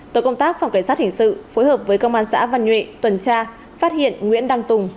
tổ công tác phòng cảnh sát hình sự phối hợp với công an xã văn nhuệ tuần tra phát hiện nguyễn đăng tùng